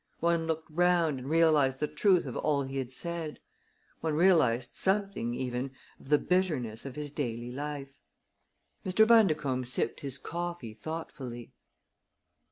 One looked round and realized the truth of all he had said. One realized something, even, of the bitterness of his daily life. Mr. Bundercombe sipped his coffee thoughtfully.